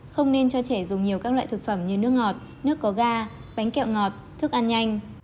không nên cho trẻ dùng nhiều các loại thực phẩm như nước ngọt nước có ga bánh kẹo ngọt thức ăn nhanh